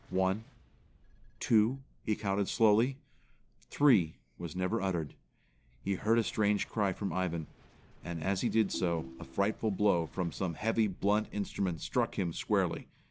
"One, two," he counted slowly. "Three" was never uttered. He heard a strange cry from Ivan; and as he did so, a frightful blow from some heavy, blunt instrument struck him squarely.